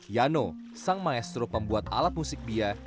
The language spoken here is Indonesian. yano sang maestro pembuat alat musik bia